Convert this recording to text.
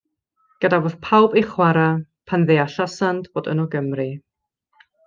Gadawodd pawb eu chwarae pan ddeallasant fod yno Gymry.